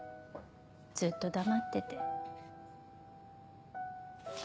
ずっと黙ってて。